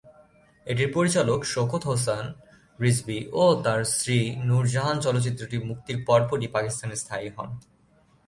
এটির পরিচালক শওকত হোসেন রিজভী ও তাঁর স্ত্রী নূর জাহান চলচ্চিত্রটি মুক্তির পরপরই পাকিস্তানে স্থায়ী হন।